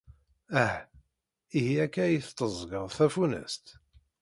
Ah, ihi akka ay tetteẓẓged tafunast?